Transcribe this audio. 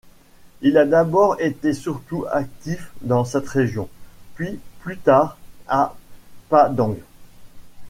Il a d'abord été surtout actif dans cette région, puis plus tard à Padang.